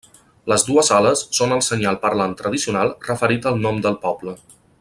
Les dues ales són el senyal parlant tradicional referit al nom del poble.